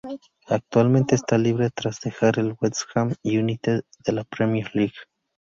Actualmente está libre tras dejar el West Ham United de la Premier League.